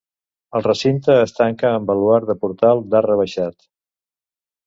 El recinte es tanca amb baluard de portal d'arc rebaixat.